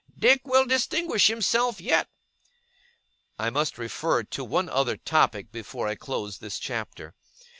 'Dick will distinguish himself yet!' I must refer to one other topic before I close this chapter.